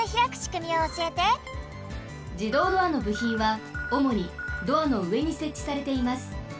じどうドアのぶひんはおもにドアのうえにせっちされています。